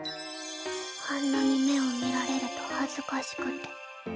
あんなに目を見られると恥ずかしくて。